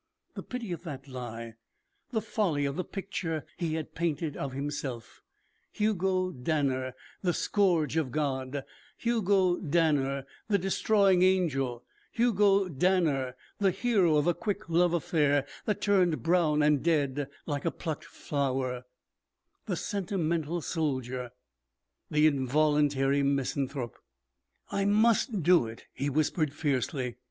The pity of that lie! The folly of the picture he had painted of himself Hugo Danner the scourge of God, Hugo Danner the destroying angel, Hugo Danner the hero of a quick love affair that turned brown and dead like a plucked flower, the sentimental soldier, the involuntary misanthrope. "I must do it!" he whispered fiercely.